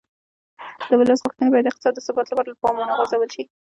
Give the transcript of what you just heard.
د ولس غوښتنې باید د افغانستان د ثبات لپاره له پامه ونه غورځول شي